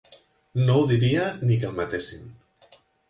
No ho diria ni que el matessin.